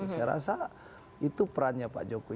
saya rasa itu perannya pak jokowi